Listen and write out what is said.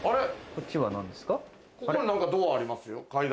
ここに何かドアありますよ。